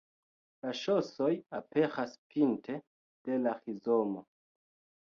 La ŝosoj aperas pinte de la rizomo.